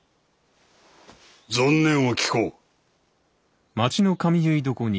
存念を聞こう。